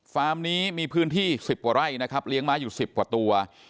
นี้มีพื้นที่๑๐กว่าไร่นะครับเลี้ยงม้าอยู่๑๐กว่าตัว